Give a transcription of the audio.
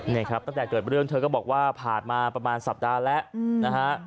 นี่ครับตั้งแต่เกิดเรื่องเธอก็บอกว่าผ่านมาประมาณสัปดาห์แล้วนะฮะ